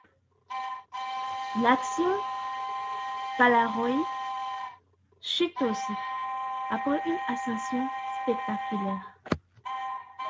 L'action Polaroid chute aussi, après une ascension spectaculaire.